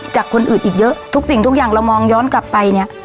จากคนอื่นอีกเยอะทุกสิ่งทุกอย่างเรามองย้อนกลับไปเนี่ย